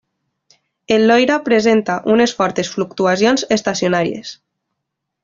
El Loira presenta unes fortes fluctuacions estacionàries.